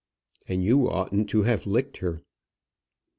"And you oughtn't to have licked her."